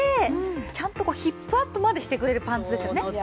ちゃんとこうヒップアップまでしてくれるパンツですよね。